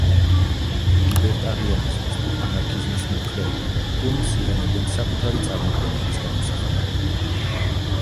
ლიბერტარიანიზმის თუ ანარქიზმის მომხრეები ფილმს იყენებენ საკუთარი წარმოდგენების გამოსახატავად.